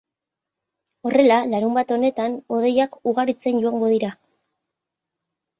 Horrela, larunbat honetan hodeiak ugaritzen joango dira.